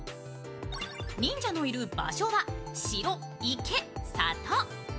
忍者のいる場所は城、池、里。